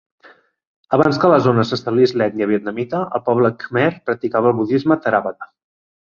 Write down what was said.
Abans de que a la zona s'establis l'ètnia vietnamita, el poble Khmer practicava el budisme theravada.